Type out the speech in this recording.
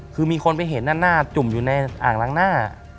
คือมีคนไปเห็นด้านหน้าจุ่มอยู่ในอ่างล้างหน้า